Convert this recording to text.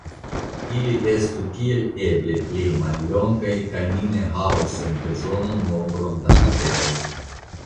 Ili estu kiel eble plej mallongaj kaj ne havu senbezonan nombron da literoj.